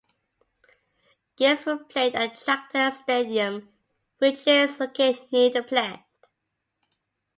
Games were played at Traktor stadium, which is located near the plant.